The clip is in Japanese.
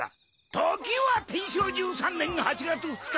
時は天正１３年８月２日！